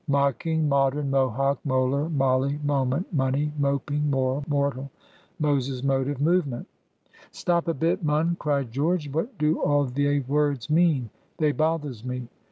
"Mocking, Modern, Mohawk, Molar, Molly, Moment, Money, Moping, Moral, Mortal, Moses, Motive, Movement." "Stop a bit, mun," cried George; "what do all they words mean? They bothers me."